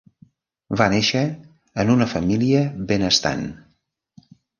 Va néixer en una família benestant.